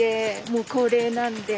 もう高齢なんで。